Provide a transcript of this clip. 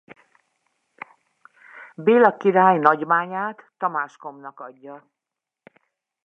Béla király Nagymányát Tamás comesnak adja.